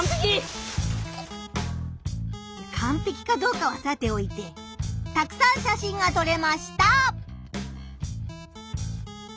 カンペキかどうかはさておいてたくさん写真が撮れました！